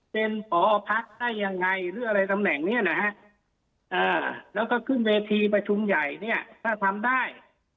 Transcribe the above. เป็นบ่อพักได้ยังไงแล้วก็ขึ้นเวทีประชุมใหญ่ถ้าทำได้